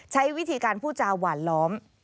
ใช้วิธีการพูดจาหวานล้อม